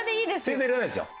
正座いらないですよ。